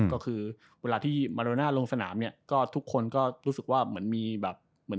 ก็คือเวลาที่มาโรน่าลงสนามเนี่ยก็ทุกคนก็รู้สึกว่าเหมือนมีแบบเหมือน